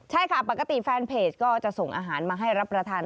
ใช่ค่ะปกติแฟนเพจก็จะส่งอาหารมาให้รับประทาน